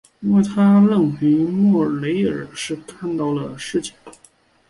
因此他认为莫雷尔是看到了蜃景。